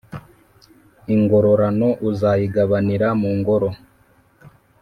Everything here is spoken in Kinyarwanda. Ingororano uzayigabanira mu ngoro